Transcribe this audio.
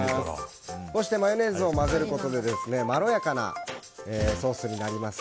こうしてマヨネーズを混ぜることでまろやかなソースになります。